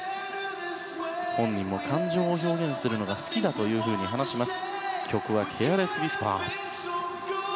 本人も感情を表現するのが好きだと話します。